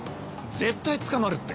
絶対捕まるって。